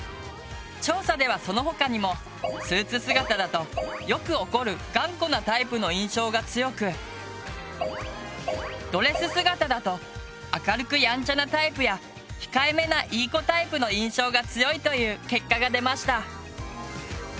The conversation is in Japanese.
調査ではその他にもスーツ姿だとよく怒る頑固なタイプの印象が強くドレス姿だと明るくやんちゃなタイプや控えめないい子タイプの印象が強いという結果が出ました！